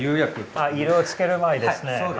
あっ色をつける前ですね。